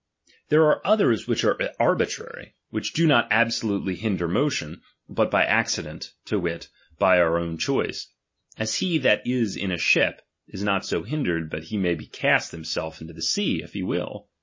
There are others which are arbi trary, which do not absolutely hinder motion, but by accident, to wit, by our own choice ; as he that is in a ship, is not so hindered but he may cast himself into the sea, if he will.